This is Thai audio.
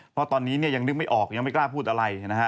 เพราะตอนนี้เนี่ยยังนึกไม่ออกยังไม่กล้าพูดอะไรนะฮะ